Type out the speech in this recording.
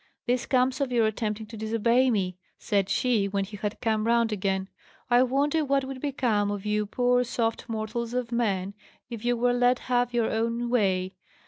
"This comes of your attempting to disobey me!" said she, when he had come round again. "I wonder what would become of you poor, soft mortals of men, if you were let have your own way!